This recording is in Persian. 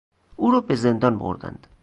او را به زندان بردند.